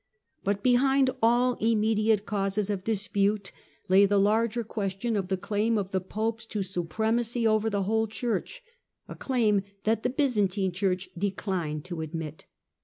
But behind all immediate causes of dispute lay the larger question of the claim of the Popes to supremacy over the whole Church — a claim that the Byzantine Church declined to admit.